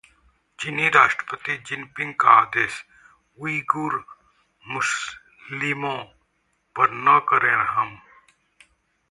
चीनी राष्ट्रपति जिनपिंग का आदेश- उइगुर मुस्लिमों पर न करें रहम